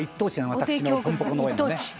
私のポンポコ農園のね」